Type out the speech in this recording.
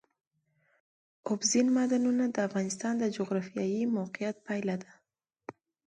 اوبزین معدنونه د افغانستان د جغرافیایي موقیعت پایله ده.